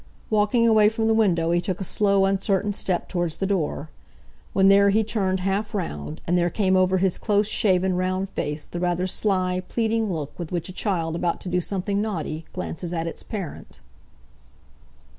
Walking away from the window he took a slow, uncertain step towards the door; when there he turned half round, and there came over his close shaven, round face the rather sly, pleading look with which a child about to do something naughty glances at its parent.